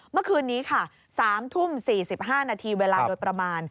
เมื่อคืนนี้ค่ะ๓ทุ่ม๔๕นาทีเวลาโดยประมาณ